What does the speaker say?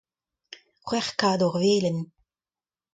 c'hwec'h kador velen.